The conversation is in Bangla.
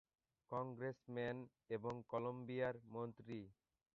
কংগ্রেসম্যান এবং কলম্বিয়ার মন্ত্রী।